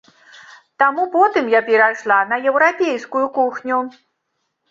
Таму потым я перайшла на еўрапейскую кухню.